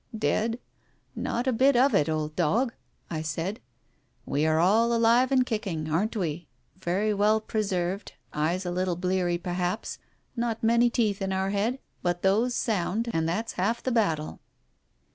" Dead ? Not a bit of it, old dog !" I said. "We are all alive and kicking, aren't we? Very well pre served, eyes a little bleary perhaps, not many teeth in our head, but those sound, and that's half the battle."